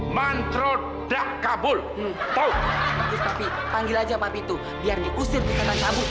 pant ea matrot the kabul painful tinggal aja tapi gue bisa forteiling padat the